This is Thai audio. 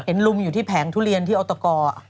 ลุมอยู่ที่แผงทุเรียนที่ออตก